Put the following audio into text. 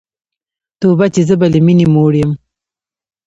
توبه چي زه به له میني موړ یم